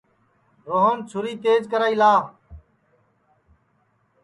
روہن چُھری تیج کرائی لا